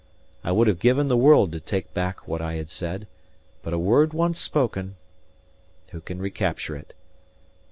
I would have given the world to take back what I had said; but a word once spoken, who can recapture it?